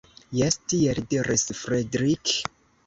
Jes, tiel diris Fredrik!